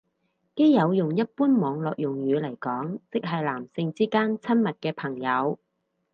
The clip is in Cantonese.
基友用一般網絡用語嚟講即係男性之間親密嘅朋友